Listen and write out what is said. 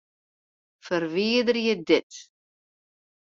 Ferwiderje dit.